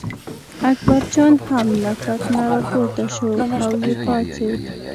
اکبرجان هم له کټ نه راپورته شو او یې پاڅېد.